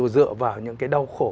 dựa vào những cái đau khổ